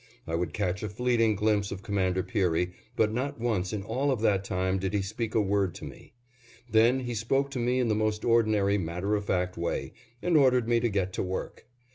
I would catch a fleeting glimpse of Commander Peary, but not once in all of that time did he speak a word to me. Then he spoke to me in the most ordinary matter of fact way, and ordered me to get to work.